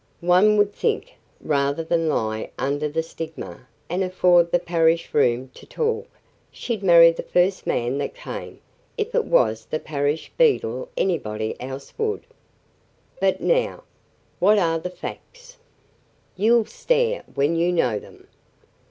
One would think, rather than lie under the stigma and afford the parish room to talk, she'd marry the first man that came, if it was the parish beadle anybody else would. But now, what are the facts? You'll stare when you know them.